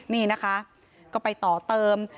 นี่นะคะก็ไปต่อเติม